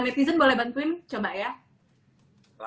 netizen boleh bantuin coba ya